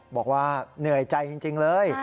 บอกว่าเหนื่อยใจจริงเลย